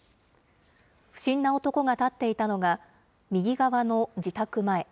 不審な男が立っていたのが、右側の自宅前。